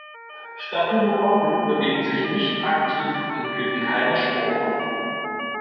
Staphylokokken bewegen sich nicht aktiv und bilden keine Sporen.